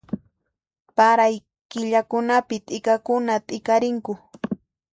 Paray killakunapi t'ikakuna t'ikarinku